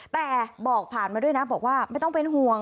แต่บอกผ่านมาด้วยนะบอกว่าไม่ต้องเป็นห่วง